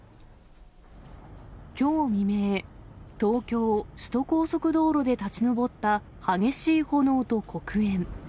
きょう未明、東京・首都高速道路で立ち上った激しい炎と黒煙。